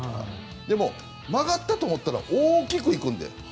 でも、曲がったと思ったら大きくいくので。